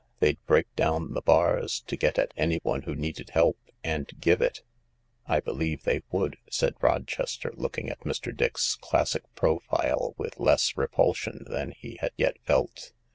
They'd break down the bars to get at anyone who needed help, and give it." " I believe they would," said Rochester, looking at Mr. Dix's classic profile with less repulsion than he had yet felt.